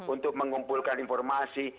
untuk mengumpulkan informasi